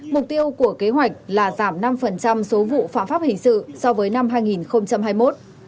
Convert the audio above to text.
mục tiêu của kế hoạch là giảm năm số vụ phạm pháp hình sự so với năm hai nghìn hai mươi một